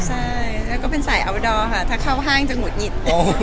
ใช่ค่ะเป็นสายออุดอลถ้าเข้าห้างจะหงุดหงิด